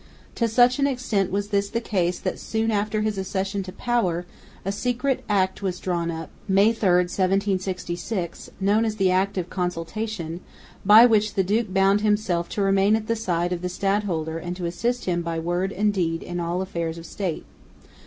To such an extent was this the case that, soon after his accession to power, a secret Act was drawn up (May 3, 1766), known as the Act of Consultation, by which the duke bound himself to remain at the side of the stadholder and to assist him by word and deed in all affairs of State.